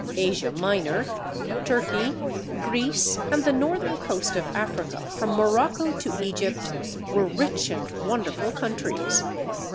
Asia Minor, Turkey, Greece, and the Northern Coast of Africa from Morocco to Egypt, were rich and wonderful countries.